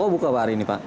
kok buka hari ini pak